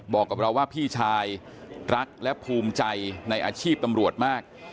บอกกับเราว่าพี่ชายรักและภูมิใจในอาชีพตำรวจมาก